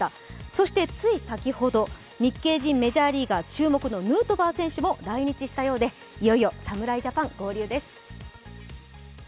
そして、つい先ほど日系人メジャーリーガー、注目のヌートバー選手も来日したようでいよいよ侍ジャパン合流です。